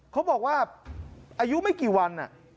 เขาบอกว่าอายุไม่กี่วัน